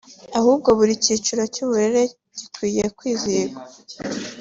ahubwo buri cyiciro cy’uburere gikwiye kwizihizwa